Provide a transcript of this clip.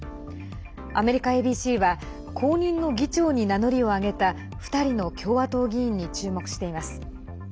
アメリカＡＢＣは後任の議長に名乗りを上げた２人の共和党議員に注目しています。